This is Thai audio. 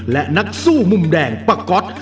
และนักสู้มุมแดงปะก๊อต